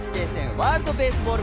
ワールドベースボール